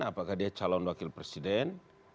apakah dia calon wakil presiden